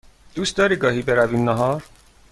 دوست داری گاهی برویم نهار؟